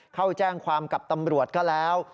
เข้าแจ้งความกับตำรวจก็แล้ว